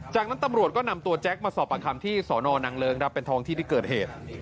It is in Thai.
จากนั้นตำรวจก็นำตัวแจ๊คมาสอบประคัมที่สอนอนังเริงครับเป็นท้องที่ที่เกิดเหตุ